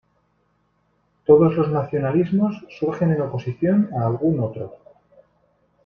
Todos los nacionalismos surgen en oposición a algún "otro".